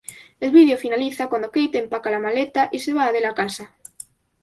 El vídeo finaliza cuando Kate empaca la maleta y se va de la casa.